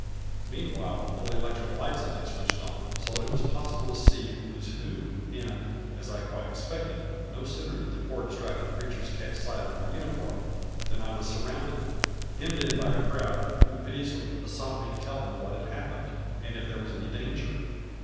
Meanwhile all the electric lights had been switched on, so that it was possible to see who was who, and, as I quite expected, no sooner did those poor distracted creatures catch sight of my uniform than I was surrounded, hemmed in by a crowd who piteously besought me to tell them what had happened, and if there was any danger.